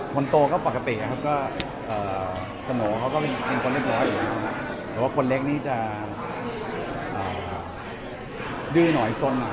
คนโตก็ปกติครับสโน่ก็เป็นคนเล็กร้อยแต่ว่าคนเล็กนี่จะดื้อหน่อยสนหน่อย